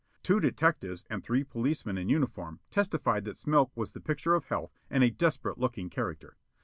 Two detectives and three policemen in uniform testified that Smilk was the picture of health and a desperate looking character.